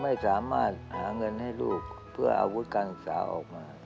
ไม่สามารถหาเงินให้ลูกเพื่ออาวุธการศึกษาออกมา